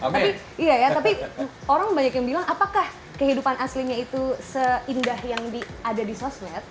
tapi iya ya tapi orang banyak yang bilang apakah kehidupan aslinya itu seindah yang ada di sosmed